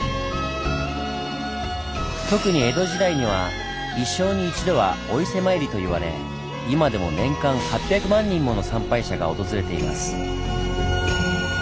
特に江戸時代には「一生に一度はお伊勢参り」と言われ今でも年間８００万人もの参拝者が訪れています。